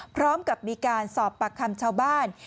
พร้อมกับมีการสอบปากคำชาวบ้าน